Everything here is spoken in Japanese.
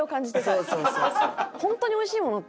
そうそうそうそう。